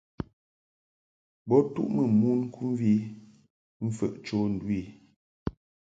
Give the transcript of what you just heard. Bo tuʼmɨ mon kɨmvi mfəʼ cho ndu i.